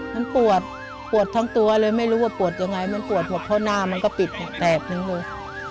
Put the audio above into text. มันปวดปวดทั้งตัวเลยไม่รู้ว่าปวดยังไงมันปวดหมดเพราะหน้ามันก็ปิดแตกหนึ่งเลย